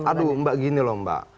aduh mbak gini loh mbak